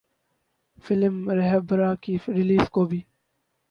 film ’Rahbra‘ کی release کو بھی